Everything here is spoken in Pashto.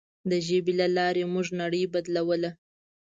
د ژبې له لارې موږ نړۍ بدلوله.